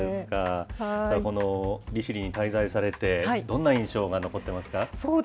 この利尻に滞在されてどんな印象が残ってますか。